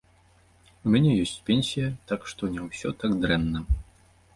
У мяне ёсць пенсія, так што не ўсё так дрэнна.